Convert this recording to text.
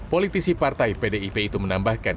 politisi partai pdip itu menambahkan